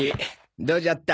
どうじゃった？